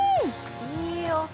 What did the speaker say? いい音！